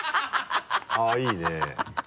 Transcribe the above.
あっいいね。